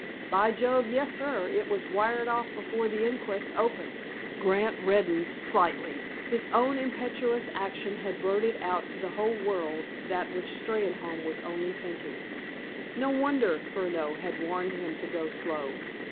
"By Jove, yes, sir. It was wired off before the inquest opened." Grant reddened slightly. His own impetuous action had blurted out to the whole world that which Steynholme was only thinking. No wonder Furneaux had warned him to go slow.